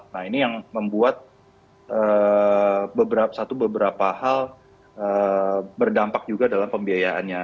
nah ini yang membuat satu beberapa hal berdampak juga dalam pembiayaannya